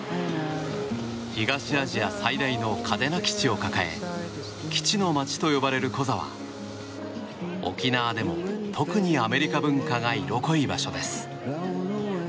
東アジア最大の嘉手納基地を抱え基地の街と呼ばれるコザは沖縄でも特にアメリカ文化が色濃い場所です。